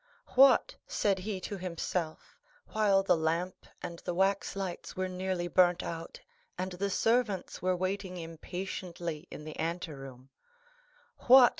"What?" said he to himself, while the lamp and the wax lights were nearly burnt out, and the servants were waiting impatiently in the anteroom; "what?